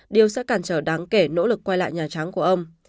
điều sẽ cản trở đáng kể nỗ lực quay lại nhà trắng của ông